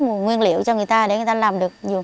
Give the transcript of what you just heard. nguồn nguyên liệu cho người ta để người ta làm được